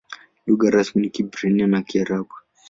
Lugha rasmi ni Kiebrania na Kiarabu.